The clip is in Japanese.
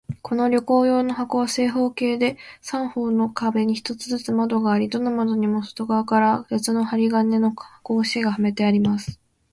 この旅行用の箱は、正方形で、三方の壁に一つずつ窓があり、どの窓にも外側から鉄の針金の格子がはめてあります。